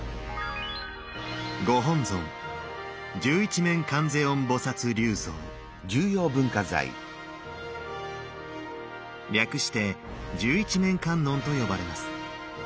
⁉ご本尊略して十一面観音と呼ばれます。